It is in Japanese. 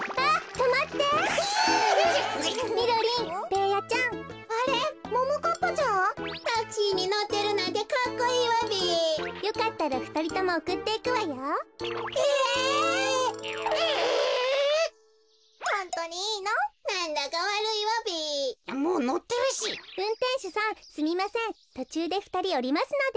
とちゅうでふたりおりますので。